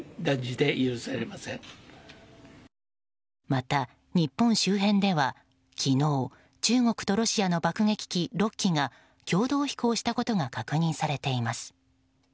また、日本周辺では昨日中国とロシアの爆撃機６機が共同飛行したことが確認されています。